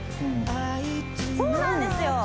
そうなんですよ